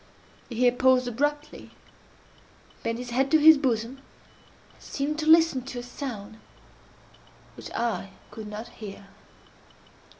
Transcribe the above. He here paused abruptly, bent his head to his bosom, and seemed to listen to a sound which I could not hear.